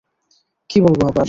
কী বললো আবার?